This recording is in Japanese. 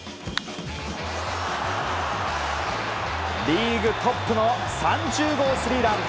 リーグトップの３０号スリーラン。